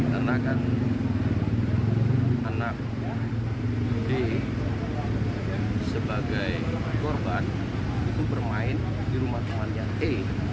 karena kan anak d sebagai korban itu bermain di rumah temannya e